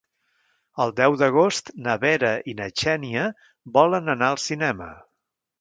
El deu d'agost na Vera i na Xènia volen anar al cinema.